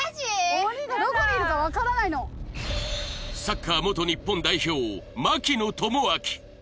鬼がどこにいるか分からないのサッカー元日本代表槙野智章